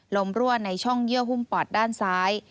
รั่วในช่องเยื่อหุ้มปอดด้านซ้าย